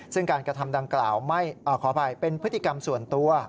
ซึ่งการกระทำดังกล่าวขออภัยเป็นพฤติกรรมส่วนตัว